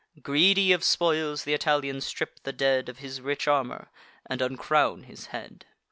Greedy of spoils, th' Italians strip the dead Of his rich armour, and uncrown his head.